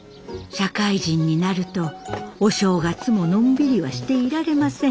社会人になるとお正月ものんびりはしていられません。